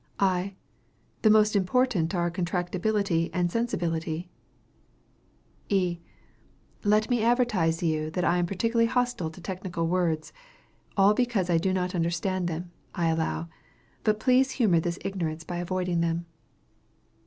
I. The most important are contractibility and sensibility. E. Let me advertise you that I am particularly hostile to technical words all because I do not understand them, I allow, but please humor this ignorance by avoiding them.